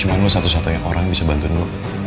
cuma lo satu satunya orang yang bisa bantuin gue